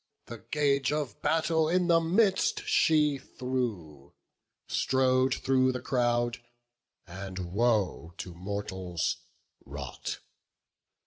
The gage of battle in the midst she threw, Strode through the crowd, and woe to mortals wrought.